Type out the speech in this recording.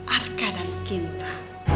arka dan kinta